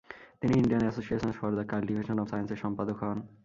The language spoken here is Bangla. তিনি Indian association for the cultivation of সায়েন্সের সম্পাদক হন।